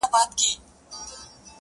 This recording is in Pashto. • روح مي لاندي تر افسون دی نازوه مي -